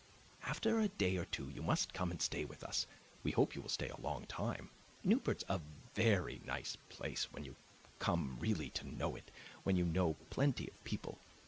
After a day or two you must come and stay with us; we hope you will stay a long time. Newport's a very nice place when you come really to know it, when you know plenty of people.